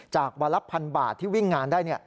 จาก๑๐๐๐๐๐บาทที่วิ่งงานได้